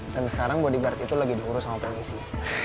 tapi sekarang bodyguard itu lagi diurus sama polisi